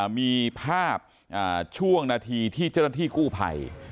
มีภาพช่วงนาทีที่เจ้าหน้าที่กู้ภัย